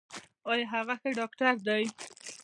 ایا هغه ښه ډاکټر دی؟